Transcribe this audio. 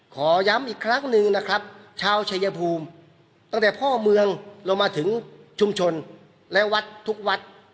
ขอย้ำอีกครั้งหนึ่งนะครับชาวชายภูมิตั้งแต่พ่อเมืองลงมาถึงชุมชนและวัดทุกวัด